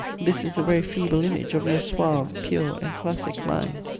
This is a very feeble image of your suave, pure and classic mind.